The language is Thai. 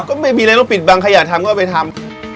ก็ไม่มีอะไรต้องปิดบังใครอยากทำก็ไปทำ